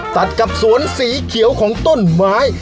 ตัดกับสวนสีเขียวของต้นไม้